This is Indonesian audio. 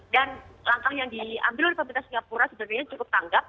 dan langkah yang diambil oleh pemerintah singapura sebenarnya cukup tanggap